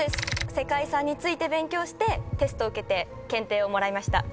世界遺産について勉強してテストを受けて検定をもらいました。